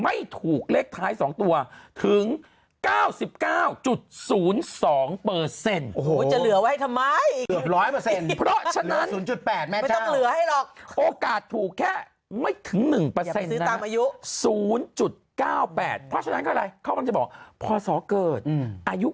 ไม่ถึง๑ตามอายุ๐๙๘เพราะฉะนั้นอะไรเขาจะบอกพอสอเกิดอายุ